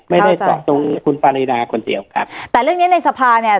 ไม่ได้จอกตรงคุณปริณาคนเดี่ยวกันแต่เรื่องนี้ในสภาเนี่ย